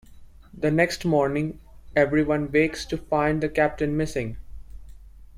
The next morning, everyone wakes to find the Captain missing.